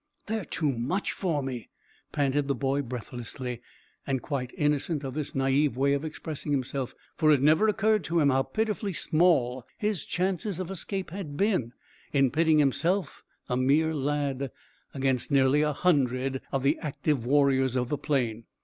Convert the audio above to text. "They're too much for me," panted the boy breathlessly, and quite innocent of this naive way of expressing himself, for it never occurred to him how pitifully small his chances of escape had been in pitting himself, a mere lad, against nearly a hundred of the active warriors of the plain.